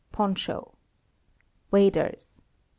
Poncho. Waders